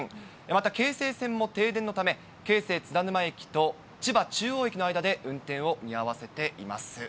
また京成線も停電のため、京成津田沼駅とちばちゅうおう駅の間で運転を見合わせています。